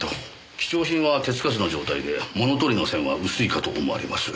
貴重品は手つかずの状態で物取りの線は薄いかと思われます。